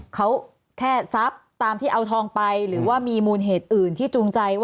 เขาแค่ทรัพย์ตามที่เอาทองไปหรือว่ามีมูลเหตุอื่นที่จูงใจ